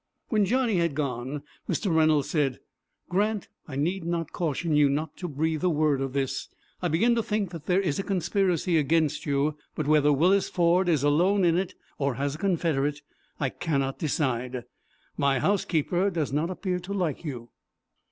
When Johnny had gone, Mr. Reynolds said: "Grant, I need not caution you not to breathe a word of this. I begin to think that there is a conspiracy against you; but whether Willis Ford is alone in it, or has a confederate I cannot decide. My housekeeper does not appear to like you."